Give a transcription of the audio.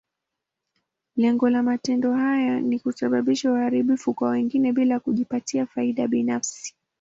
Lengo la matendo haya ni kusababisha uharibifu kwa wengine, bila kujipatia faida binafsi.